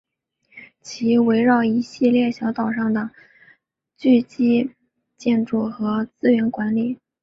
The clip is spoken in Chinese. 其围绕一系列小岛上的聚居建筑和资源管理。